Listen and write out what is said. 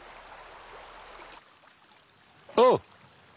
おう！